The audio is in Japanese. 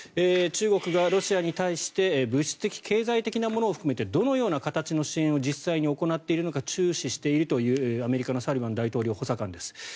中国側、ロシアに対して物質的・経済的なものを含めてどのような形の支援を実際に行っているのか注視しているというアメリカのサリバン大統領補佐官です。